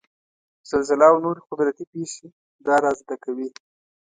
زلزله او نورې قدرتي پېښې دا رازد کوي.